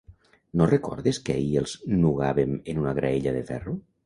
No recordes que ahir els nugàvem en una graella de ferro?